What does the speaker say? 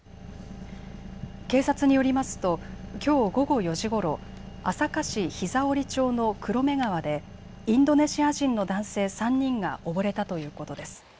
警察によりますときょう午後４時ごろ、朝霞市膝折町の黒目川でインドネシア人の男性３人が溺れたということです。